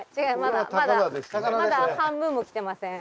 まだまだ半分も来てません。